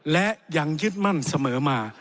และยังยึดมั่นเสมอมา